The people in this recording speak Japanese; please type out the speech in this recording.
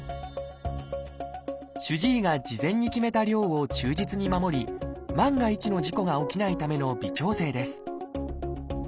主治医が事前に決めた量を忠実に守り万が一の事故が起きないための微調整です